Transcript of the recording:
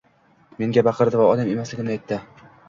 Menga baqirdi va odam emasligimni aytdi